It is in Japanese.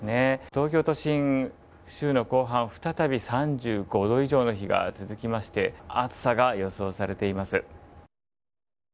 東京都心、週の後半再び３５度以上の日が続きまして暑さが予想されています。